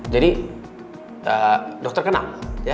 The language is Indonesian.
jadi dokter kenal